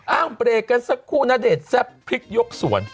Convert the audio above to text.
เบรกกันสักครู่ณเดชน์แซ่บพริกยกสวน